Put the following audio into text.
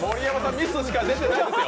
ＭＩＳＳしか出てないですよ。